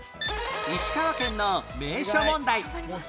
石川県の名所問題